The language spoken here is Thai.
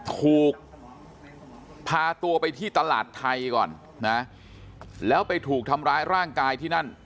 ถูกพาตัวไปที่ตลาดไทยก่อนนะแล้วไปถูกทำร้ายร่างกายที่นั่น